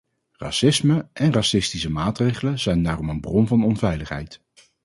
Racisme en racistische maatregelen zijn daarom een bron van onveiligheid.